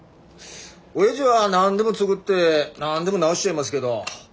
おやじは何でも作って何でも直しちゃいますけど。